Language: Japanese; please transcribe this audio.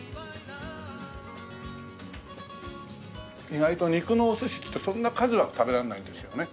意外と肉のお寿司ってそんな数は食べられないんですよね。